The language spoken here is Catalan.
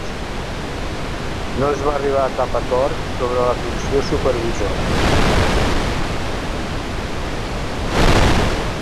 No es va arribar a cap acord sobre la funció supervisora.